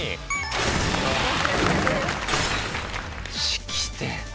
「式典」⁉